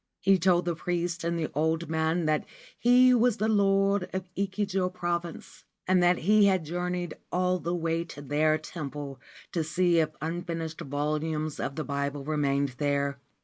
He told the priests and the old man that he was the Lord of Echigo Province, and that he had journeyed all the way to their temple to see if unfinished volumes of the Bible remained there.